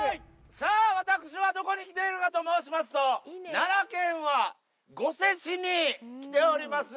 さあ、私はどこに来ているかと申しますと、奈良県は御所市に来ております。